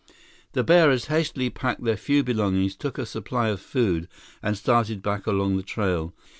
The bearers hastily packed their few belongings, took a supply of food, and started back along the trail.